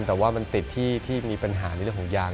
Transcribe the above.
แต่ว่ามันติดที่มีปัญหาในเรื่องของยาง